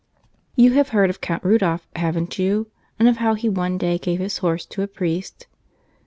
You have heard of Count Rudolph, haven't you, and of how he one day gave his horse to a priest?